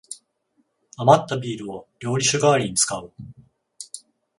あまったビールを料理酒がわりに使う